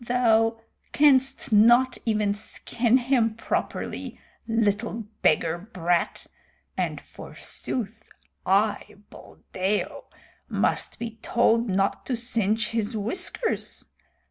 Thou canst not even skin him properly, little beggar brat, and forsooth I, Buldeo, must be told not to singe his whiskers.